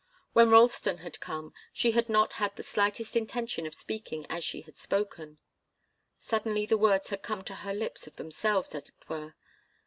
When Ralston had come, she had not had the slightest intention of speaking as she had spoken. Suddenly the words had come to her lips of themselves, as it were.